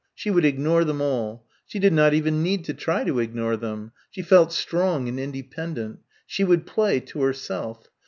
She would ignore them all. She did not even need to try to ignore them. She felt strong and independent. She would play, to herself.